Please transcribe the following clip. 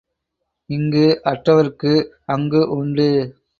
இங்கு அற்றவருக்கு அங்கு உண்டு.